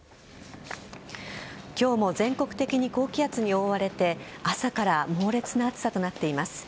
今日も全国的に高気圧に覆われて朝から猛烈な暑さとなっています。